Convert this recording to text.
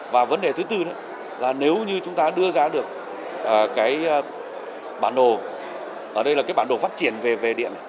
và vấn đề thứ tư là nếu như chúng ta đưa ra được cái bản đồ ở đây là cái bản đồ phát triển về điện